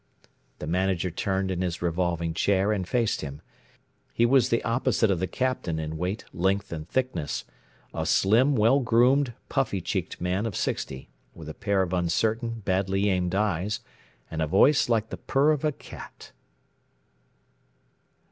The Manager turned in his revolving chair and faced him. He was the opposite of the Captain in weight, length, and thickness a slim, well groomed, puffy cheeked man of sixty with a pair of uncertain, badly aimed eyes and a voice like the purr of a cat.